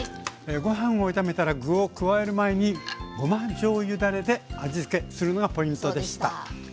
ご飯を炒めたら具を加える前にごまじょうゆだれで味つけするのがポイントでした。